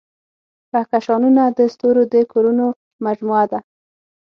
کهکشانونه د ستورو د کورونو مجموعه ده.